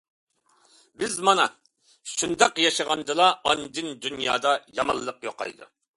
بىز مانا شۇنداق ياشىغاندىلا ئاندىن دۇنيادا يامانلىق يوقايدۇ.